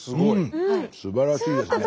すばらしいですね。